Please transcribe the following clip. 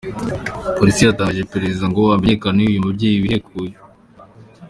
Poilisi yatangiye iperereza ngo hamenyekane uyu mubyeyi wihekuye.